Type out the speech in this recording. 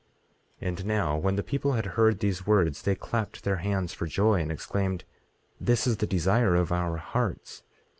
18:11 And now when the people had heard these words, they clapped their hands for joy, and exclaimed: This is the desire of our hearts.